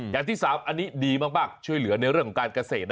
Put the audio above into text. อย่างที่๓อันนี้ดีมากช่วยเหลือในเรื่องของการเกษตร